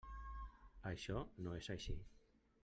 Això no és així.